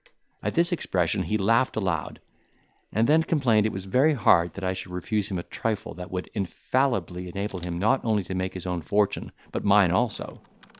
At this expression he laughed aloud, and then complained it was very hard that I should refuse him a trifle that would infallibly enable him not only to make his own fortune but mine also.